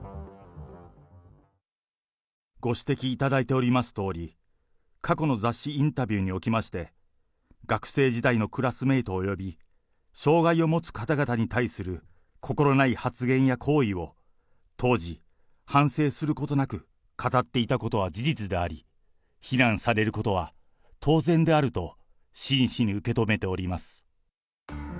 ご指摘いただいておりますとおり、過去の雑誌インタビューにおきまして、学生時代のクラスメイトおよび障害を持つ方々に対する心ない発言や行為を、当時、反省することなく語っていたことは事実であり、避難されることは当然であると真摯に受け止めております。